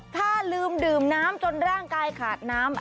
ถ้าลืมดื่มน้ำจนร่างกายขาดน้ำ